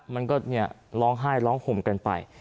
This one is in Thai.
มันก็ร้องไห้ร้องห่มกันไป